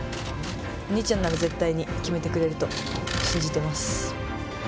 お兄ちゃんなら絶対に決めてくれると信じてます。